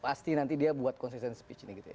pasti nanti dia buat konsisten speech ini gitu ya